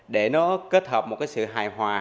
để nó kết hợp một sự hài hòa